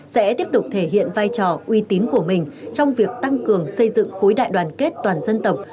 sẽ tiếp tục thể hiện vai trò uy tín của mình trong việc tăng cường xây dựng khối đại đoàn kết toàn dân tộc